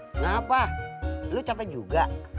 kenapa lu capek juga